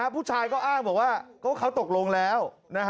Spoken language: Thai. ผู้ชายก็อ้างบอกว่าเขาตกลงแล้ว